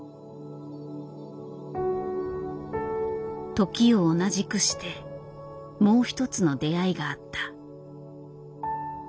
時を同じくしてもう一つの出会いがあった。